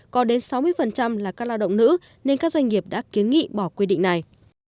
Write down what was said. có đến sáu mươi là các lao động nữ nên các doanh nghiệp đã kiến nghị bỏ quy định này